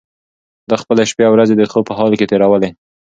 ده خپلې شپې او ورځې د خوب په حال کې تېرولې.